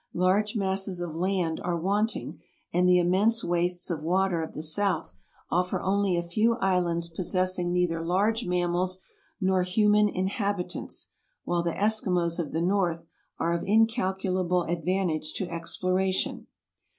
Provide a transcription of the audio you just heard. Large masses of land are wanting, and the immense wastes of water of the South offer only a few islands possessing neither large mammals nor human inhabitants; while the Eskimos of the North are of incalculable advantage to ex ploration.